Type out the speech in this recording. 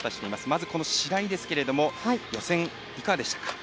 まず、白井ですけども予選、いかがでしたか？